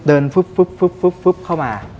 เดินขึ้บเข้ามา